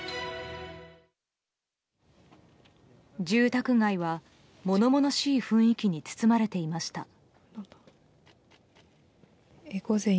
住宅街は物々しい雰囲気に包まれていました。